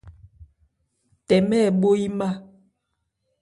Tɛmɛ̂ ɛ bhó yímá.